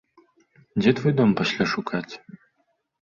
Дзе твой дом пасля шукаць?